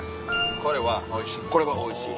これはおいしい。